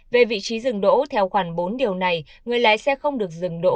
về vị trí dừng đỗ theo khoảng bốn điều này người lái xe không được dừng đỗ